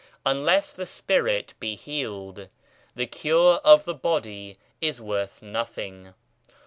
Unless the spirit be healed, the cure of the body is worth nothing.